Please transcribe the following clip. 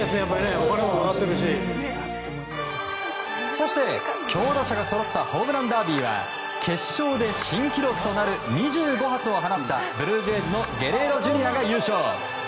そして、強打者がそろったホームランダービーは決勝で新記録となる２５発を放ったブルージェイズのゲレーロＪｒ．が優勝。